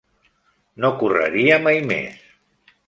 No correria mai més.